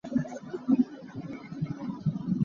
Puansen cu puai tikah kan i aih.